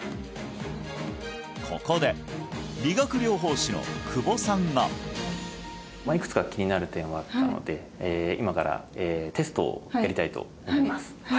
ここで理学療法士の久保さんがいくつか気になる点はあったので今からテストをやりたいと思います